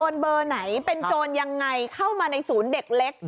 เบอร์ไหนเป็นโจรยังไงเข้ามาในศูนย์เด็กเล็ก